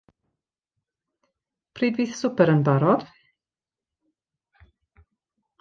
Pryd fydd swper yn barod?